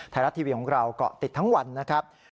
ไทยรัฐทีวีของเราเกาะติดทั้งวันนะครับ